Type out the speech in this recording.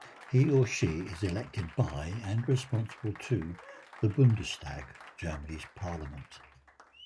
He or she is elected by and responsible to the "Bundestag", Germany's parliament.